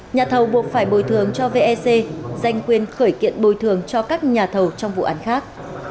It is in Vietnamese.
nhà thầu buộc phải bồi thường cho vec danh quyền khởi kiện bồi thường cho các nhà thầu trong vụ án khác